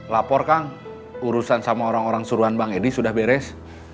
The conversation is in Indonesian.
lapor kang urusan sama orang orang suruhan bang edi sudah beres